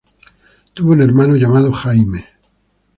Tuvo un hermano, llamado Jaime.